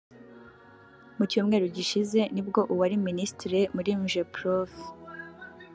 Mu cyumweru gishize ni bwo uwari Minisitiri muri Migeprof